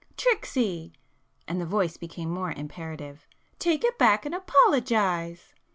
"Tricksy!" and the voice became more imperative—"Take it back and apologise!"